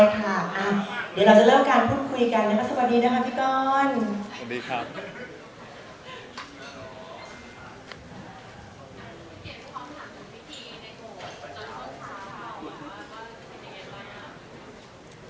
สวัสดีนะครับพี่ก้อน